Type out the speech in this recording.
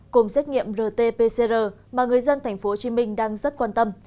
cùng xét nghiệm rt pcr mà người dân tp hcm đang rất quan tâm